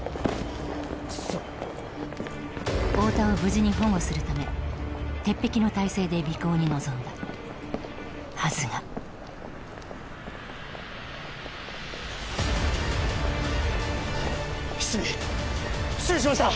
クッソ太田を無事に保護するため鉄壁の体制で尾行に臨んだはずが失尾失尾しました！